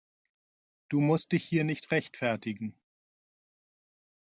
Du musst dich hier nicht rechtfertigen.